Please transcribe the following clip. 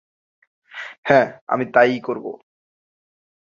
হ্যাঁ, আমি তাই করবো।